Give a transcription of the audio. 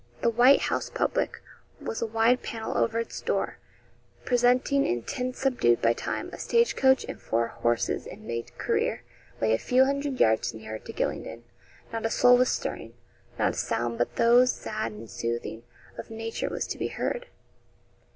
The 'White House' public, with a wide panel over its door, presenting, in tints subdued by time, a stage coach and four horses in mid career, lay a few hundred yards nearer to Gylingden. Not a soul was stirring not a sound but those, sad and soothing, of nature was to be heard.